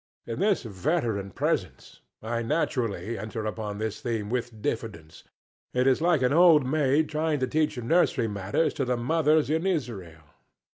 In this veteran presence I naturally enter upon this theme with diffidence; it is like an old maid trying to teach nursery matters to the mothers in Israel.